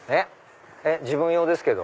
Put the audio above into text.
自分用ですけど。